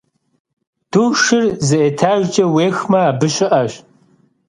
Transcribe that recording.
Duşşır zı etajjç'e vuêxme, abı şı'eş.